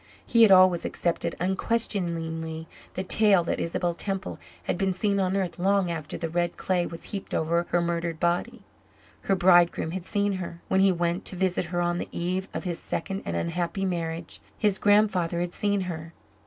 He had always accepted unquestioningly the tale that Isabel Temple had been seen on earth long after the red clay was heaped over her murdered body. Her bridegroom had seen her, when he went to visit her on the eve of his second and unhappy marriage; his grandfather had seen her.